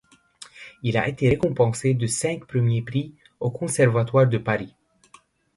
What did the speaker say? Il a été récompensé de cinq premiers prix au conservatoire de Paris.